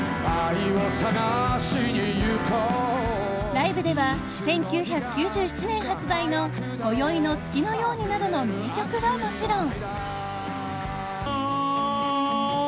ライブでは１９９７年発売の「今宵の月のように」などの名曲はもちろん。